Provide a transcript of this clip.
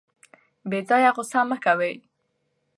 بې ځایه غوسه مه کوئ.